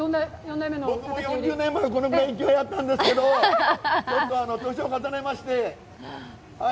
僕も４０年前、この勢いだったんですけど、年を重ねまして。